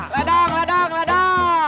ledang ledang ledang